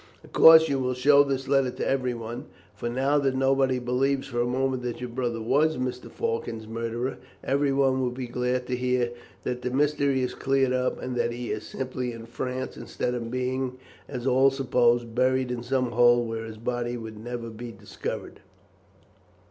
Of course you will show this letter to everyone, for now that nobody believes for a moment that your brother was Mr. Faulkner's murderer, everyone will be glad to hear that the mystery is cleared up, and that he is simply in France instead of being, as all supposed, buried in some hole where his body would never be discovered.